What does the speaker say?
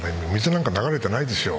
水なんか流れてないですよ。